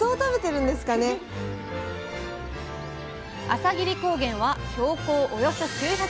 朝霧高原は標高およそ９００ｍ。